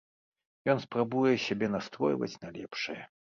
Ён спрабуе сябе настройваць на лепшае.